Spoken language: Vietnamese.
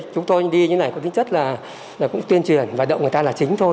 chúng tôi đi như này có tính chất là cũng tuyên truyền vận động người ta là chính thôi